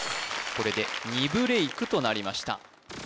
これで２ブレイクとなりました